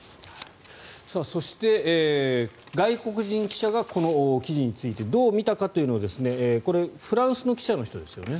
そして外国人記者がこの記事についてどう見たかというのをフランスの記者の人ですよね。